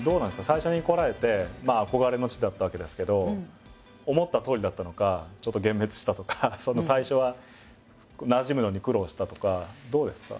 最初に来られて憧れの地だったわけですけど思ったとおりだったのかちょっと幻滅したとか最初はなじむのに苦労したとかどうですか？